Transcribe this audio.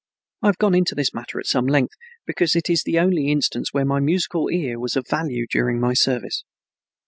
I have gone into this matter at some length, because it is the only instance where my musical ear was of value during my service.